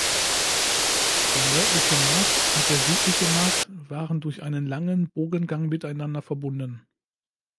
Der nördliche Markt und der südliche Markt waren durch einen langen Bogengang miteinander verbunden.